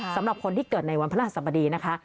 สำหรับคนที่เกิดในวันพระราชสมดีนะคะ